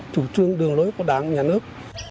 chủ trương đường lối của đảng nhà nước